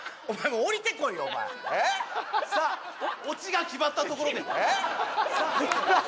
もう下りてこいよお前えっ？さあオチが決まったところでえっ？